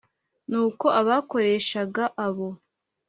Nuko abakoreshaga e abo